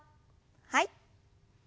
はい。